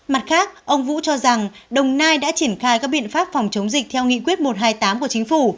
mặt khác ông vũ cho rằng đồng nai đã triển khai các biện pháp phòng chống dịch theo nghị quyết một trăm hai mươi tám của chính phủ